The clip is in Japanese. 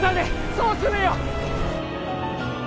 そうするよ